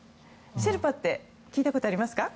シェルパって聞いたことありますか？